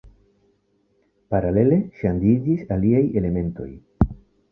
Paralele ŝanĝiĝis aliaj elementoj.